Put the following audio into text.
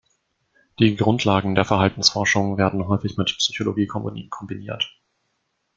Die Grundlagen der Verhaltensforschung werden häufig mit Psychologie kombiniert.